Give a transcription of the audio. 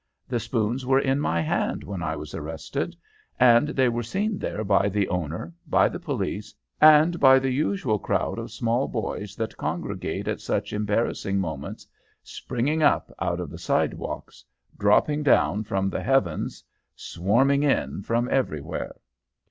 "The spoons were in my hand when I was arrested, and they were seen there by the owner, by the police, and by the usual crowd of small boys that congregate at such embarrassing moments, springing up out of sidewalks, dropping down from the heavens, swarming in from everywhere.